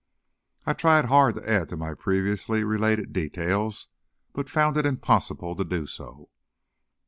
I tried hard to add to my previously related details, but found it impossible to do so.